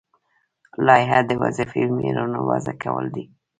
لایحه د وظیفوي معیارونو وضع کول دي.